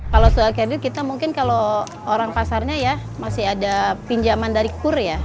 kalau soal kredit kita mungkin kalau orang pasarnya ya masih ada pinjaman dari kur ya